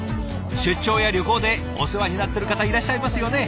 出張や旅行でお世話になってる方いらっしゃいますよね？